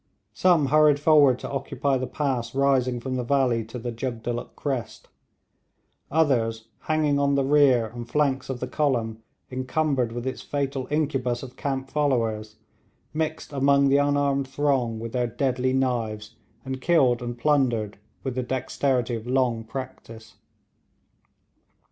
Some hurried forward to occupy the pass rising from the valley to the Jugdulluk crest; others, hanging on the rear and flanks of the column encumbered with its fatal incubus of camp followers, mixed among the unarmed throng with their deadly knives, and killed and plundered with the dexterity of long practice.